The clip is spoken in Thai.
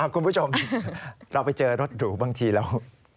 คุณผู้ชมเราไปเจอรถหรูบางทีเรา